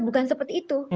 bukan seperti itu